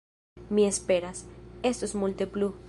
Mi esperas, estos multe plu!